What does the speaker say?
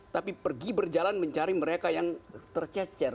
tapi pergi berjalan mencari mereka yang tercecer